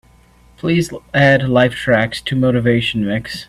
Please add Lifetracks to motivation mix